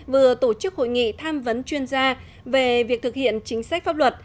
vừa tổ chức hội nghị tham vấn chuyên gia về việc thực hiện chính sách pháp luật